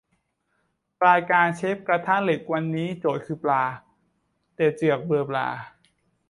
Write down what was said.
รายการเชฟกระทะเหล็กวันนี้โจทย์คือปลา แต่เจือกเบลอปลา